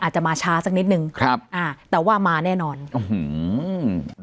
จะมาช้าสักนิดนึงครับอ่าแต่ว่ามาแน่นอนอื้อหืออืม